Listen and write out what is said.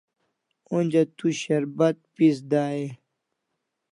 Onja tu sharbat pis dai e?